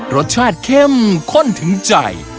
รสชาติเข้มข้นถึงใจ